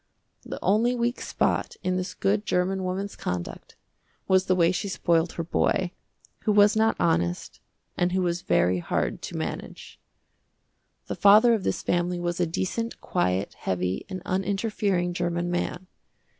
The only weak spot in this good german woman's conduct was the way she spoiled her boy, who was not honest and who was very hard to manage. The father of this family was a decent, quiet, heavy, and uninterfering german man.